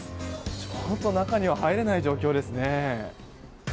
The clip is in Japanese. ちょっと中には入れない状況ですね。